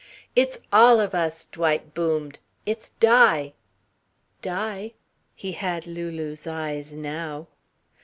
"It's all of us!" Dwight boomed. "It's Di." "Di?" He had Lulu's eyes now.